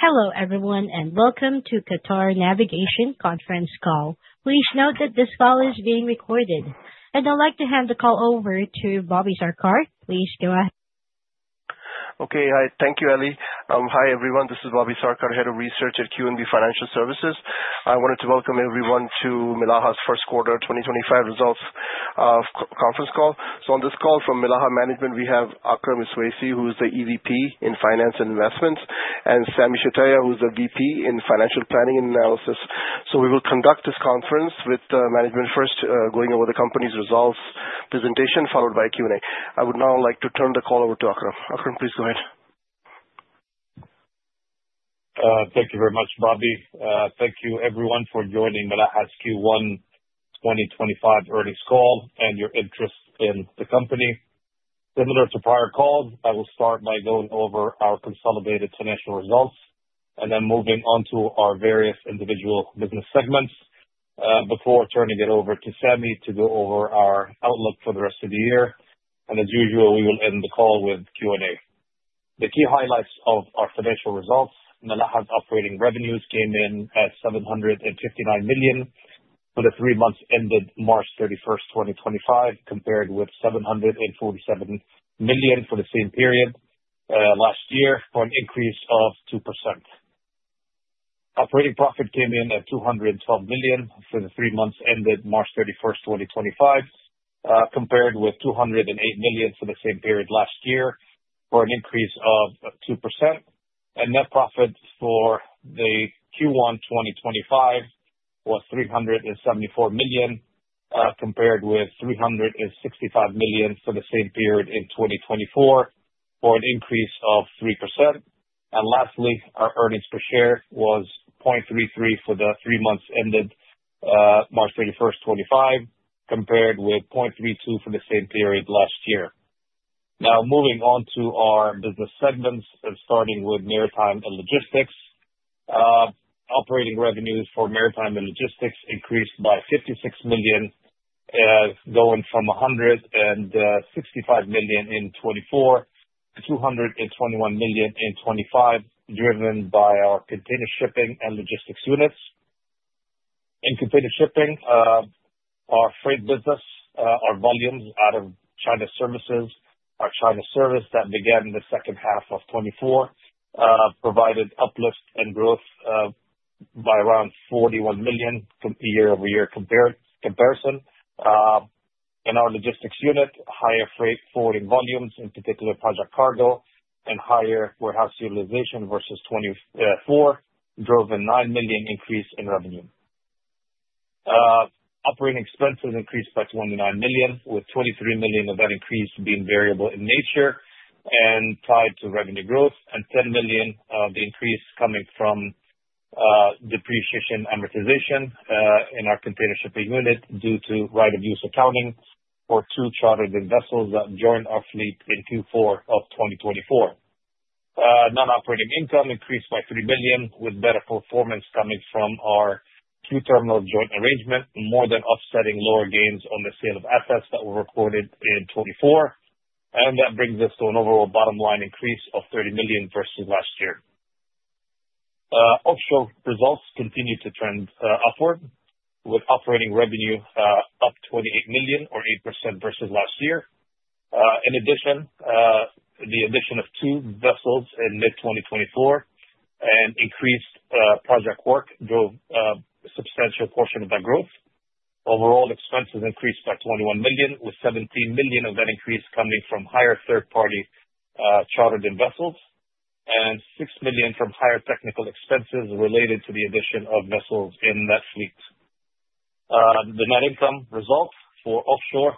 Hello, everyone, and welcome to Qatar Navigation Conference Call. Please note that this call is being recorded, and I'd like to hand the call over to Bobby Sarkar. Please go ahead. Okay. Hi. Thank you, Ali. Hi, everyone. This is Bobby Sarkar, Head of Research at QNB Financial Services. I wanted to welcome everyone to Milaha's First Quarter 2025 Results Conference Call. On this call from Milaha Management, we have Akram Iswaisi, who is the EVP in Finance and Investments, and Sami Shtayyeh, who is the VP in Financial Planning and Analysis. We will conduct this conference with management first, going over the company's results presentation, followed by Q&A. I would now like to turn the call over to Akram. Akram, please go ahead. Thank you very much, Bobby. Thank you, everyone, for joining Milaha's Q1 2025 Earnings Call and your interest in the company. Similar to prior calls, I will start by going over our consolidated financial results and then moving on to our various individual business segments before turning it over to Sami to go over our outlook for the rest of the year. As usual, we will end the call with Q&A. The key highlights of our financial results: Milaha's operating revenues came in at 759 million for the three months ended March 31, 2025, compared with 747 million for the same period last year for an increase of 2%. Operating profit came in at 212 million for the three months ended March 31, 2025, compared with 208 million for the same period last year for an increase of 2%. Net profit for Q1 2025 was 374 million, compared with 365 million for the same period in 2024 for an increase of 3%. Lastly, our earnings per share was 0.33 for the three months ended March 31st, 2025, compared with 0.32 for the same period last year. Now, moving on to our business segments, starting with maritime and logistics, operating revenues for maritime and logistics increased by 56 million, going from 165 million in 2024 to 221 million in 2025, driven by our container shipping and logistics units. In container shipping, our freight business, our volumes out of China services, our China service that began in the second half of 2024 provided uplift and growth by around 41 million year-over-year comparison. In our logistics unit, higher freight forwarding volumes, in particular project cargo and higher warehouse utilization versus 2024, drove a 9 million increase in revenue. Operating expenses increased by 29 million, with 23 million of that increase being variable in nature and tied to revenue growth, and 10 million of the increase coming from depreciation amortization in our container shipping unit due to right-of-use accounting for two chartered vessels that joined our fleet in Q4 of 2024. Non-operating income increased by 3 million, with better performance coming from our QTerminals joint arrangement, more than offsetting lower gains on the sale of assets that were recorded in 2024. That brings us to an overall bottom line increase of 30 million versus last year. Offshore results continue to trend upward, with operating revenue up 28 million, or 8% versus last year. In addition, the addition of two vessels in mid-2024 and increased project work drove a substantial portion of that growth. Overall, expenses increased by 21 million, with 17 million of that increase coming from higher third-party chartered vessels and 6 million from higher technical expenses related to the addition of vessels in that fleet. The net income result for offshore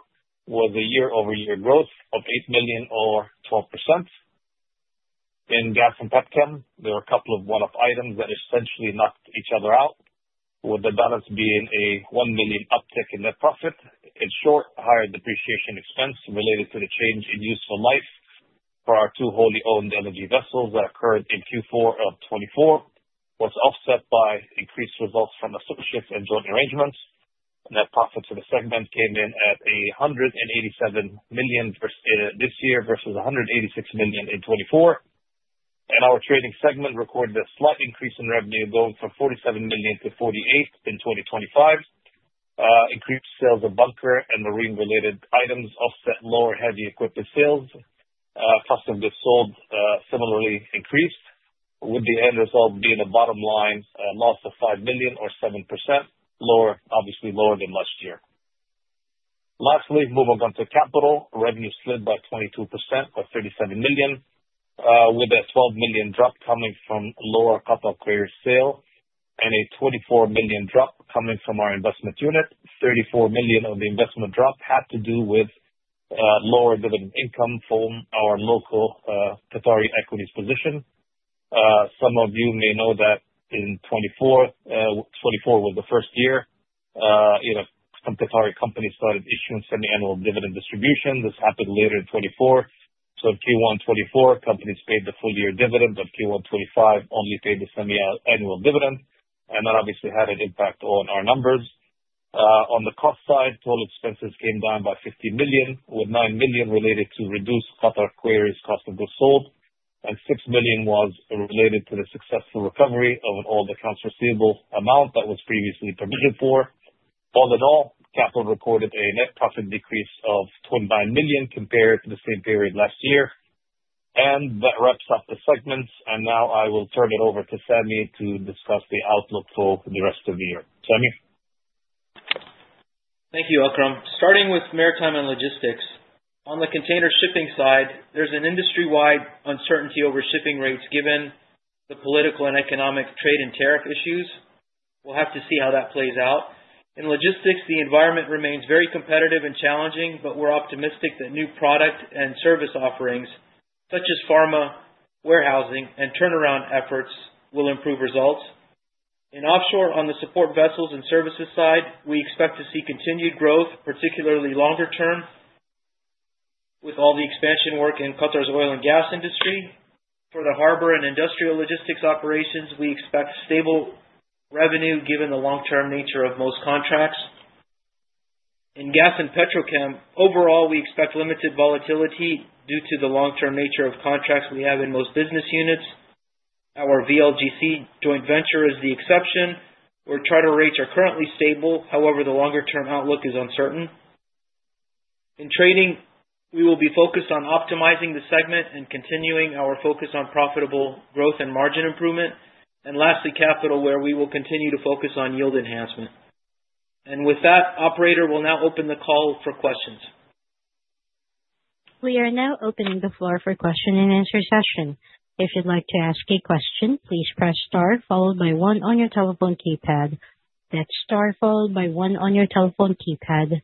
was a year-over-year growth of 8 million, or 12%. In Gas & Petrochem, there were a couple of one-off items that essentially knocked each other out, with the balance being a 1 million uptick in net profit. In short, higher depreciation expense related to the change in useful life for our two wholly owned energy vessels that occurred in Q4 of 2024 was offset by increased results from associates and joint arrangements. Net profit for the segment came in at 187 million this year versus 186 million in 2024. Our trading segment recorded a slight increase in revenue, going from 47 million to 48 million in 2025. Increased sales of bunker and marine-related items offset lower heavy equipment sales. Cost of goods sold similarly increased, with the end result being a bottom line loss of 5 million, or 7%, obviously lower than last year. Lastly, moving on to capital, revenue slid by 22%, or 37 million, with a 12 million drop coming from lower Qatar Quarries sale and a 24 million drop coming from our investment unit. 34 million of the investment drop had to do with lower dividend income from our local Qatari equities position. Some of you may know that in 2024, 2024 was the first year some Qatari companies started issuing semi-annual dividend distribution. This happened later in 2024. In Q1 2024, companies paid the full year dividend, but Q1 2025 only paid the semi-annual dividend, and that obviously had an impact on our numbers. On the cost side, total expenses came down by 50 million, with 9 million related to reduced Qatar Quarries' cost of goods sold, and 6 million was related to the successful recovery of an all-accounts receivable amount that was previously provisioned for. All in all, capital recorded a net profit decrease of 29 million compared to the same period last year. That wraps up the segments. I will turn it over to Sami to discuss the outlook for the rest of the year. Sami. Thank you, Akram. Starting with maritime and logistics. On the container shipping side, there's an industry-wide uncertainty over shipping rates given the political and economic trade and tariff issues. We'll have to see how that plays out. In logistics, the environment remains very competitive and challenging, but we're optimistic that new product and service offerings, such as pharma warehousing and turnaround efforts, will improve results. In offshore, on the support vessels and services side, we expect to see continued growth, particularly longer term, with all the expansion work in Qatar's oil and gas industry. For the harbor and industrial logistics operations, we expect stable revenue given the long-term nature of most contracts. In Gas & Petrochem, overall, we expect limited volatility due to the long-term nature of contracts we have in most business units. Our VLGC joint venture is the exception. Our charter rates are currently stable. However, the longer-term outlook is uncertain. In trading, we will be focused on optimizing the segment and continuing our focus on profitable growth and margin improvement. Lastly, capital, where we will continue to focus on yield enhancement. With that, operator will now open the call for questions. We are now opening the floor for question and answer session. If you'd like to ask a question, please press star followed by one on your telephone keypad. That's star followed by one on your telephone keypad.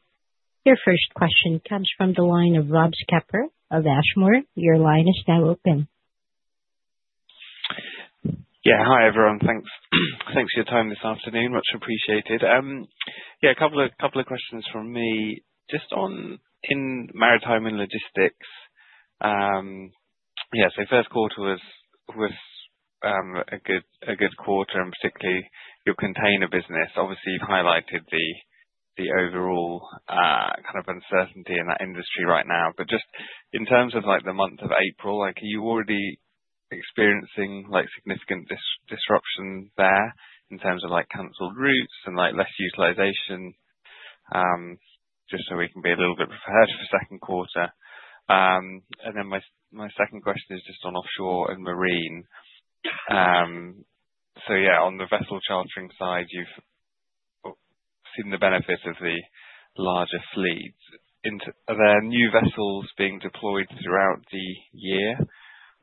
Your first question comes from the line of Rob Skepper of Ashmore. Your line is now open. Yeah. Hi, everyone. Thanks. Thanks for your time this afternoon. Much appreciated. Yeah, a couple of questions from me. Just on maritime and logistics, yeah, so first quarter was a good quarter, and particularly your container business. Obviously, you've highlighted the overall kind of uncertainty in that industry right now. Just in terms of the month of April, are you already experiencing significant disruption there in terms of canceled routes and less utilization? Just so we can be a little bit prepared for second quarter. My second question is just on offshore and marine. Yeah, on the vessel chartering side, you've seen the benefits of the larger fleets. Are there new vessels being deployed throughout the year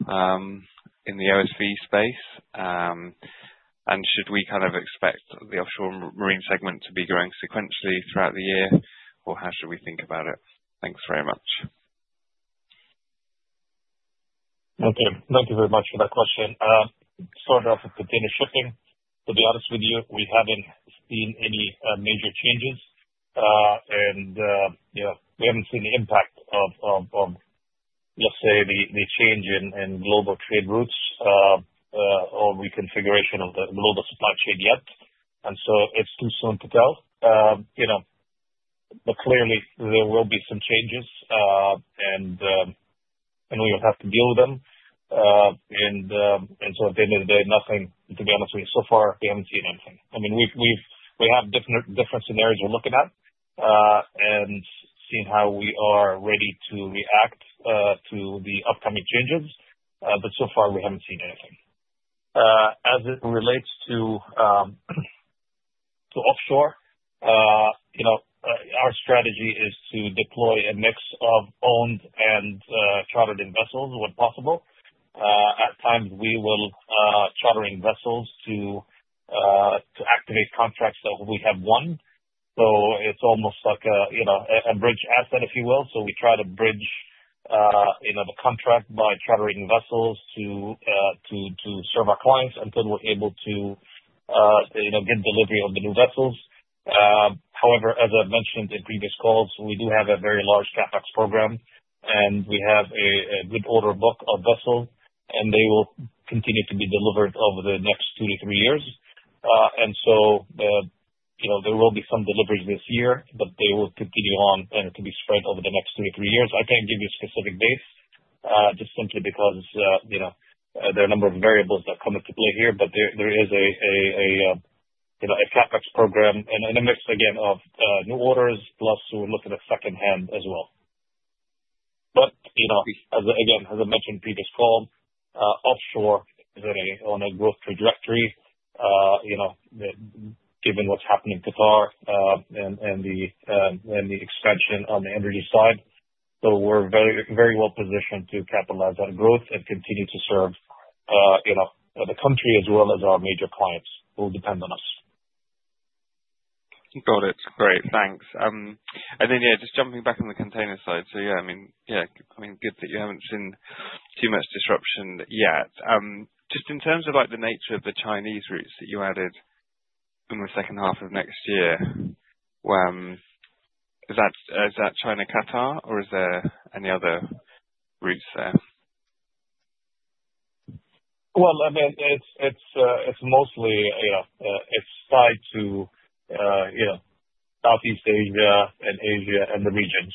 in the OSV space? Should we kind of expect the offshore marine segment to be growing sequentially throughout the year, or how should we think about it? Thanks very much. Okay. Thank you very much for that question. Started off with container shipping. To be honest with you, we haven't seen any major changes. We haven't seen the impact of, let's say, the change in global trade routes or reconfiguration of the global supply chain yet. It's too soon to tell. Clearly, there will be some changes, and we will have to deal with them. At the end of the day, nothing, to be honest with you, so far, we haven't seen anything. I mean, we have different scenarios we're looking at and seeing how we are ready to react to the upcoming changes. So far, we haven't seen anything. As it relates to offshore, our strategy is to deploy a mix of owned and chartered vessels when possible. At times, we will charter vessels to activate contracts that we have won. It is almost like a bridge asset, if you will. We try to bridge the contract by chartering vessels to serve our clients until we are able to get delivery on the new vessels. However, as I have mentioned in previous calls, we do have a very large CapEx program, and we have a good order book of vessels, and they will continue to be delivered over the next two to three years. There will be some deliveries this year, but they will continue on and be spread over the next two to three years. I cannot give you specific dates just simply because there are a number of variables that come into play here, but there is a CapEx program and a mix, again, of new orders, plus we are looking at secondhand as well. As I mentioned in previous calls, offshore is on a growth trajectory given what's happening in Qatar and the expansion on the energy side. We are very well positioned to capitalize on that growth and continue to serve the country as well as our major clients who depend on us. Got it. Great. Thanks. Just jumping back on the container side. Yeah, I mean, good that you haven't seen too much disruption yet. Just in terms of the nature of the Chinese routes that you added in the second half of next year, is that China-Qatar, or is there any other routes there? I mean, it's mostly tied to Southeast Asia and Asia and the region.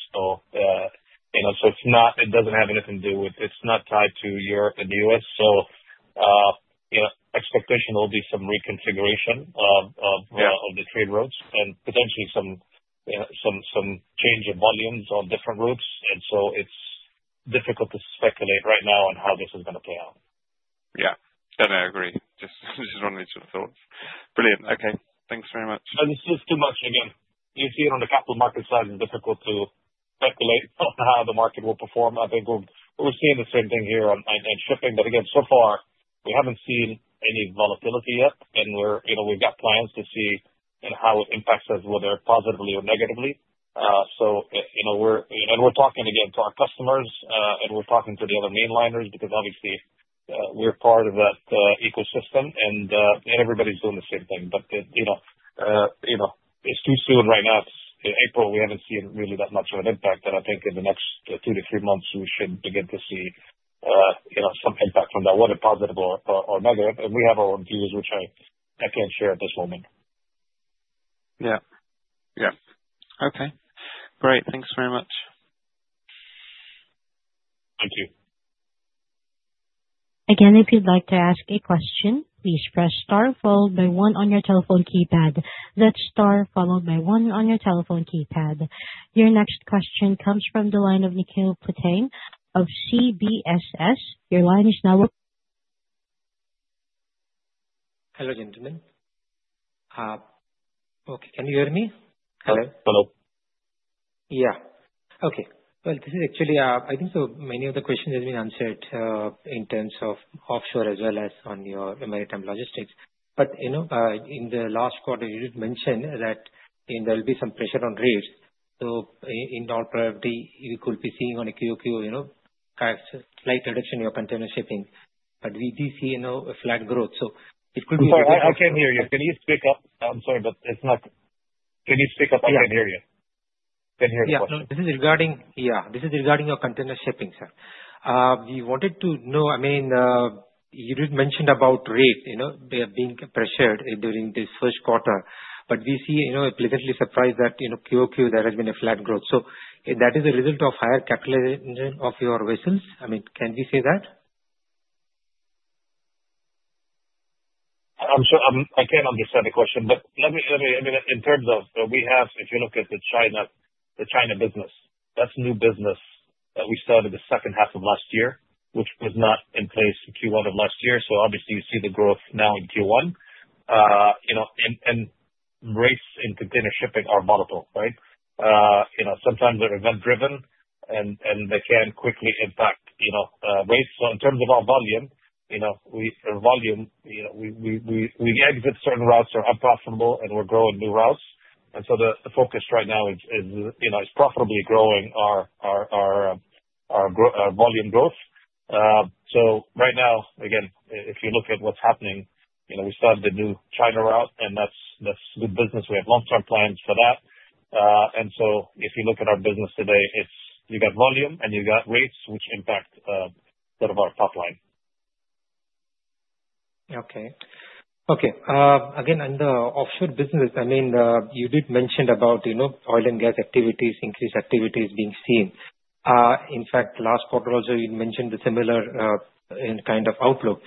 It doesn't have anything to do with, it's not tied to Europe and the U.S. Expectation will be some reconfiguration of the trade routes and potentially some change of volumes on different routes. It's difficult to speculate right now on how this is going to play out. Yeah, I agree. Just wanted to sort of thoughts. Brilliant. Okay. Thanks very much. It's just too much again. You see it on the capital market side, it's difficult to speculate on how the market will perform. I think we're seeing the same thing here on shipping. So far, we haven't seen any volatility yet. We've got plans to see how it impacts us, whether positively or negatively. We're talking again to our customers, and we're talking to the other mainliners because obviously, we're part of that ecosystem, and everybody's doing the same thing. It's too soon right now. In April, we haven't seen really that much of an impact. I think in the next two to three months, we should begin to see some impact from that, whether positive or negative. We have our own views, which I can't share at this moment. Yeah. Yeah. Okay. Great. Thanks very much. Thank you. Again, if you'd like to ask a question, please press star followed by one on your telephone keypad. That's star followed by one on your telephone keypad. Your next question comes from the line of Nikhil Puthen of CBSS. Your line is now. Hello, gentlemen. Okay. Can you hear me? Hello. Hello. Yeah. Okay. This is actually I think so many of the questions have been answered in terms of offshore as well as on your maritime logistics. In the last quarter, you did mention that there will be some pressure on rates. In all probability, we could be seeing on a QoQ slight reduction in your container shipping. We did see a flat growth. It could be a good question. I can't hear you. Can you speak up? I'm sorry, but it's not. Can you speak up? I can't hear you. I can't hear you. Yeah. This is regarding your container shipping, sir. We wanted to know, I mean, you did mention about rate being pressured during this first quarter. We see a pleasantly surprised that QoQ, there has been a flat growth. That is a result of higher capitalization of your vessels. I mean, can we say that? I'm sure I can't understand the question, but let me, I mean, in terms of we have, if you look at the China business, that's new business that we started the second half of last year, which was not in place in Q1 of last year. Obviously, you see the growth now in Q1. Rates in container shipping are volatile, right? Sometimes they're event-driven, and they can quickly impact rates. In terms of our volume, our volume, we exit certain routes that are unprofitable, and we're growing new routes. The focus right now is profitably growing our volume growth. Right now, again, if you look at what's happening, we started a new China route, and that's good business. We have long-term plans for that. If you look at our business today, you got volume, and you got rates, which impact sort of our top line. Okay. Okay. Again, on the offshore business, I mean, you did mention about oil and gas activities, increased activities being seen. In fact, last quarter also, you mentioned a similar kind of outlook.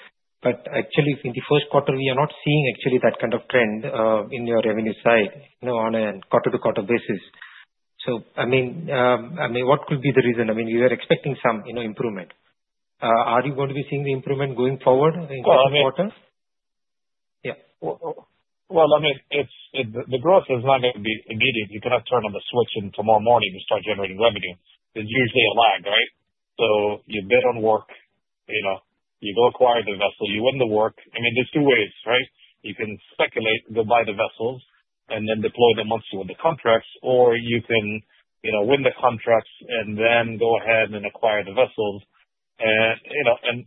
Actually, in the first quarter, we are not seeing actually that kind of trend in your revenue side on a quarter-to-quarter basis. I mean, what could be the reason? I mean, we were expecting some improvement. Are you going to be seeing the improvement going forward in the next quarter? Yeah. I mean, the growth is not going to be immediate. You cannot turn on the switch tomorrow morning and start generating revenue. There's usually a lag, right? You bid on work, you go acquire the vessel, you win the work. I mean, there's two ways, right? You can speculate, go buy the vessels, and then deploy them once you win the contracts, or you can win the contracts and then go ahead and acquire the vessels.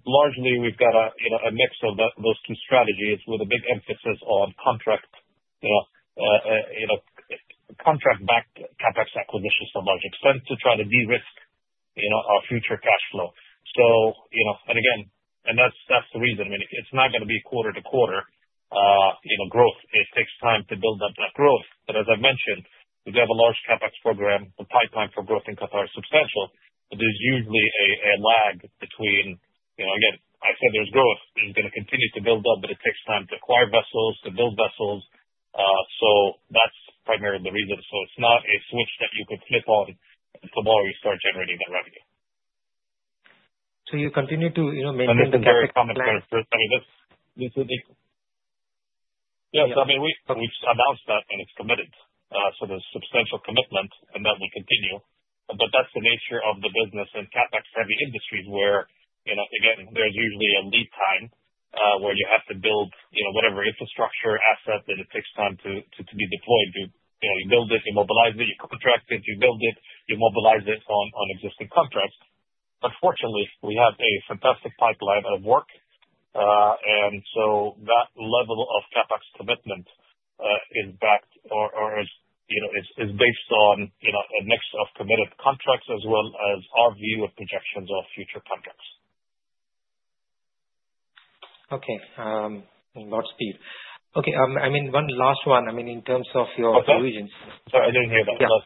Largely, we've got a mix of those two strategies with a big emphasis on contract-backed CapEx acquisitions to a large extent to try to de-risk our future cash flow. Again, that's the reason. I mean, it's not going to be quarter-to-quarter growth. It takes time to build that growth. As I mentioned, we have a large CapEx program. The pipeline for growth in Qatar is substantial, but there's usually a lag between, again, I said there's growth. It's going to continue to build up, but it takes time to acquire vessels, to build vessels. That is primarily the reason. It is not a switch that you could flip on tomorrow and start generating that revenue. You continue to maintain the CapEx? Let me say comment there. I mean, this is the yes. I mean, we announced that, and it's committed. There is substantial commitment, and that will continue. That is the nature of the business in CapEx-heavy industries where, again, there is usually a lead time where you have to build whatever infrastructure asset, and it takes time to be deployed. You build it, you mobilize it, you contract it, you build it, you mobilize it on existing contracts. Unfortunately, we have a fantastic pipeline of work. That level of CapEx commitment is backed or is based on a mix of committed contracts as well as our view of projections of future contracts. Okay. In large speed. Okay. I mean, one last one. I mean, in terms of your provisions. Sorry, I didn't hear that. Yeah.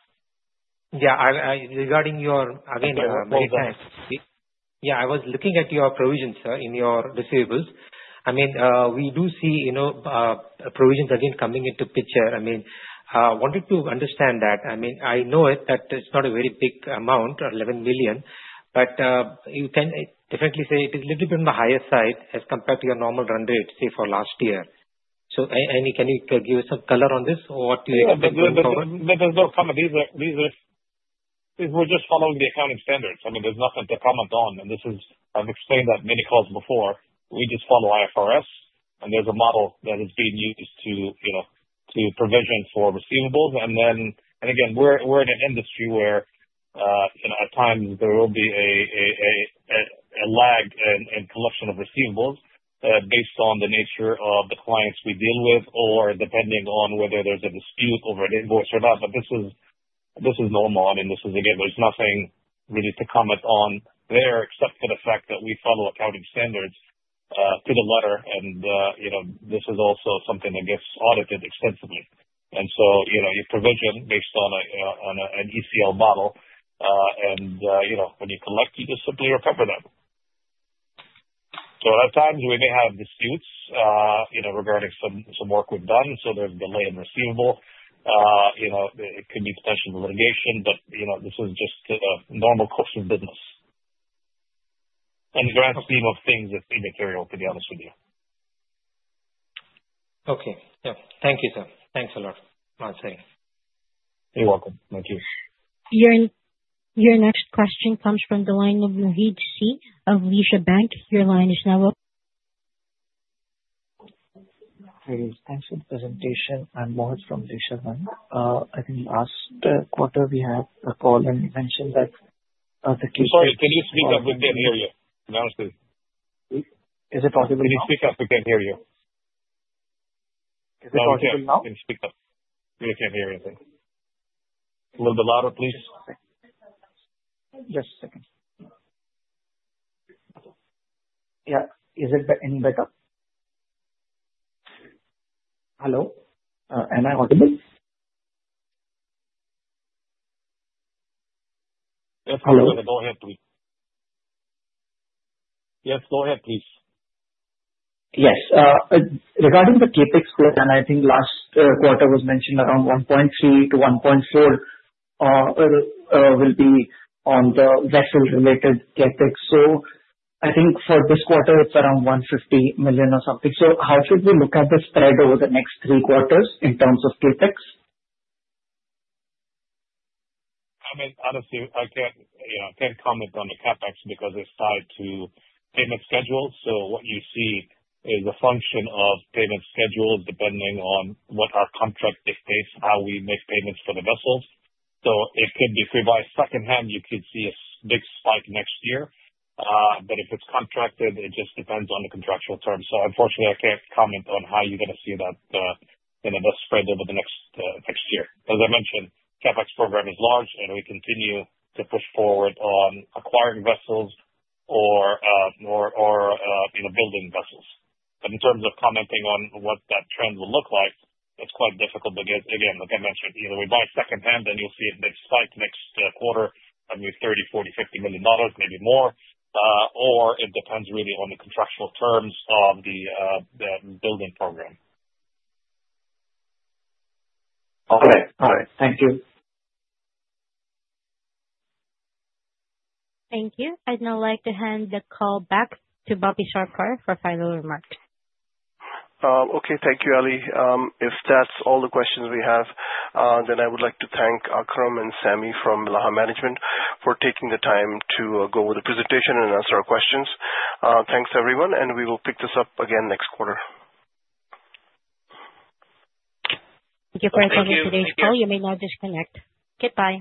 Regarding your, again, mainlines. Yeah. I was looking at your provisions, sir, in your receivables. I mean, we do see provisions again coming into picture. I mean, I wanted to understand that. I mean, I know that it's not a very big amount, 11 million, but you can definitely say it is a little bit on the higher side as compared to your normal run rate, say, for last year. Can you give us some color on this or what you're commenting on? There's no comment. These are we're just following the accounting standards. I mean, there's nothing to comment on. This is I've explained that in many calls before. We just follow IFRS, and there's a model that is being used to provision for receivables. I mean, we're in an industry where at times there will be a lag in collection of receivables based on the nature of the clients we deal with or depending on whether there's a dispute over an invoice or not. This is normal. I mean, this is again, there's nothing really to comment on there except for the fact that we follow accounting standards to the letter. This is also something that gets audited extensively. You provision based on an ECL model, and when you collect, you just simply recover them. At times, we may have disputes regarding some work we've done. There is delay in receivable. It could be potential litigation, but this is just normal course of business. In the grand scheme of things, it is immaterial, to be honest with you. Okay. Yeah. Thank you, sir. Thanks a lot. My thanks. You're welcome. Thank you. Your next question comes from the line of Mohit of Lesha Bank. Your line is now up. Thanks for the presentation. I'm Mohit from Lesha Bank. I think last quarter, we had a call and mentioned that the case. Mohit, can you speak up? We can't hear you, to be honest with you. Is it possible? Can you speak up? We can't hear you. Is it possible now? Can you speak up? We can't hear anything. A little louder, please. Just a second. Yeah. Is it any better? Hello? Am I audible? Yes, Mohit. Go ahead, please. Yes. Regarding the CapEx growth, and I think last quarter was mentioned around QAR 1.3 billion-QAR 1.4 billion will be on the vessel-related CapEx. I think for this quarter, it is around 150 million or something. How should we look at the spread over the next three quarters in terms of CapEx? I mean, honestly, I can't comment on the CapEx because it's tied to payment schedules. What you see is a function of payment schedules depending on what our contract dictates, how we make payments for the vessels. It could be free. By second hand, you could see a big spike next year. If it's contracted, it just depends on the contractual terms. Unfortunately, I can't comment on how you're going to see that spread over the next year. As I mentioned, CapEx program is large, and we continue to push forward on acquiring vessels or building vessels. In terms of commenting on what that trend will look like, it's quite difficult because, again, like I mentioned, either we buy second hand, then you'll see a big spike next quarter of maybe $30 million, $40 million, $50 million, maybe more, or it depends really on the contractual terms of the building program. All right. All right. Thank you. Thank you. I'd now like to hand the call back to Bobby Sarkar for final remarks. Okay. Thank you, Ali. If that's all the questions we have, then I would like to thank Akram and Sami from Milaha Management for taking the time to go over the presentation and answer our questions. Thanks, everyone. We will pick this up again next quarter. Thank you for attending today's call. You may now disconnect. Goodbye.